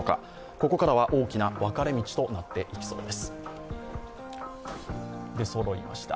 ここからは大きな分かれ道となっていきそうです。